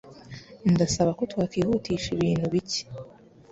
Ndasaba ko twakwihutisha ibintu bike.